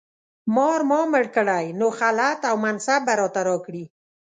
مار ما مړ کړی نو خلعت او منصب به راته راکړي.